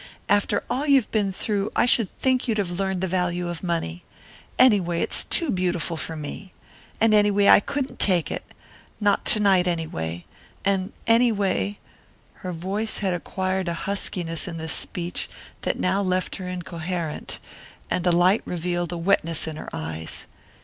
"After all you've been through, I should think you'd have learned the value of money. Anyway, it's too beautiful for me. And anyway, I couldn't take it not to night, anyway. And anyway " Her voice had acquired a huskiness in this speech that now left her incoherent, and the light revealed a wetness in her eyes.